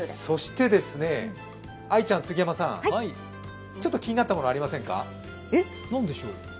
愛ちゃん、杉山さん、ちょっと気になったものありませんか？